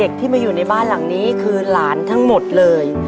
ที่มาอยู่ในบ้านหลังนี้คือหลานทั้งหมดเลย